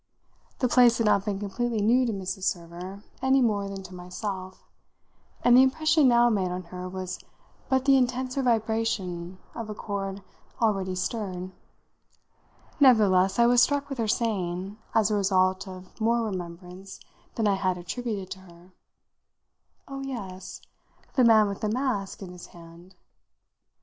The place had not been completely new to Mrs. Server any more than to myself, and the impression now made on her was but the intenser vibration of a chord already stirred; nevertheless I was struck with her saying, as a result of more remembrance than I had attributed to her "Oh yes, the man with the mask in his hand!"